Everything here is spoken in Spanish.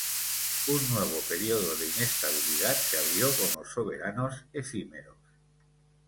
Un nuevo periodo de inestabilidad se abrió con los soberanos efímeros.